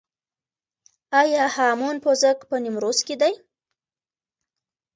آیا هامون پوزک په نیمروز کې دی؟